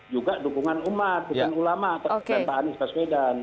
juga dukungan umat bukan ulama seperti pak anies baswedan